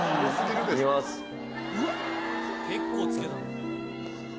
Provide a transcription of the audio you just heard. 結構つけたな。